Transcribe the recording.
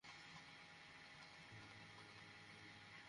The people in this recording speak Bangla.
মার্টিনের এক যমজ ভই ছিলো আর তিনি তাকে খুব স্নেহ করতেন।